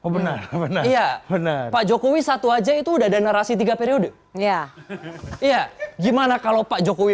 benar benar iya benar pak jokowi satu aja itu udah ada narasi tiga periode ya iya gimana kalau pak jokowi